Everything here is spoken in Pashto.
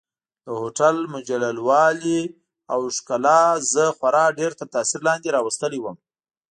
د هوټل مجلل والي او ښکلا ما خورا ډېر تر تاثیر لاندې راوستلی وم.